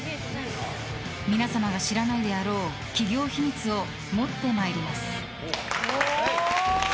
皆様が知らないであろう企業秘密を持ってまいります！